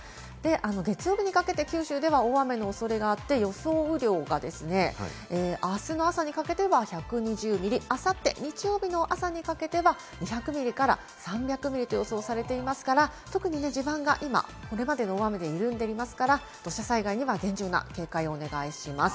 月曜日にかけて九州では大雨のおそれがあって、予想雨量が、あすの朝にかけては１２０ミリ、あさって日曜日の朝にかけては２００ミリから３００ミリと予想されていますから、特に地盤がこれまでの大雨で緩んでいますから、土砂災害には厳重な警戒をお願いします。